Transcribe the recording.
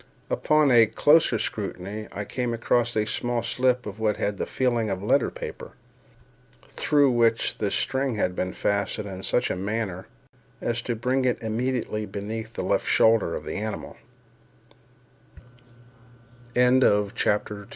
Upon a closer scrutiny, I came across a small slip of what had the feeling of letter paper, through which the string had been fastened in such a manner as to bring it immediately beneath the left shoulder of the animal.